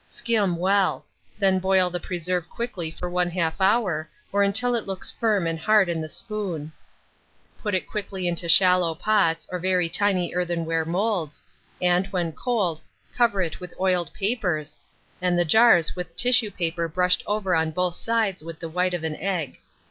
Skim well; then boil the preserve quickly for 1/2 hour, or until it looks firm and hard in the spoon; put it quickly into shallow pots, or very tiny earthenware moulds, and, when cold, cover it with oiled papers, and the jars with tissue paper brushed over on both sides with the white of an egg.